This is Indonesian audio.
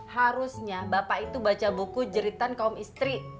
harusnya bapak itu baca buku jeritan kaum istri